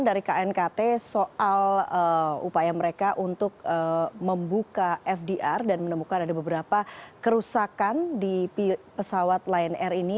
dan menemukan beberapa kerusakan di pesawat lion air ini